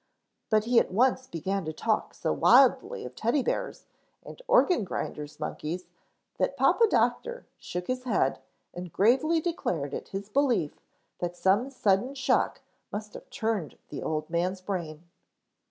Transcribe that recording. But he at once began to talk so wildly of Teddy bears and organ grinders' monkeys that Papa Doctor shook his head and gravely declared it his belief that some sudden shock must have turned the old man's brain.